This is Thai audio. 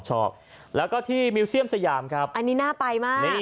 ชอบแล้วก็ที่มิวเซียมสยามครับอันนี้น่าไปมากนี่